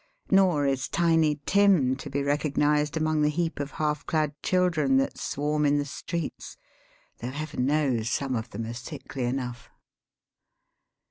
Nor is Tiny Tim to be recognized among the heap of half clad children that swarm in the streets, though heaven knows some of them are sickly enough.